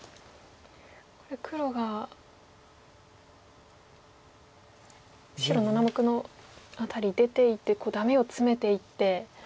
これ黒が白７目の辺り出ていってダメをツメていって。